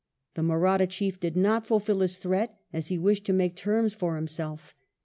The Mahratta chief did not fulfil his threat, as he wished to make terms for himself.